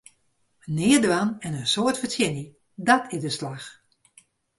Neat dwaan en in soad fertsjinje, dàt is de slach!